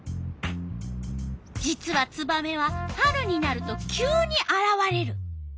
実はツバメは春になると急にあらわれる。